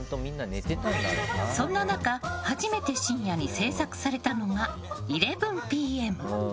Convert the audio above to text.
そんな中、初めて深夜に制作されたのが「１１ＰＭ」。